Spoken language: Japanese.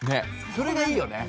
それがいいよね。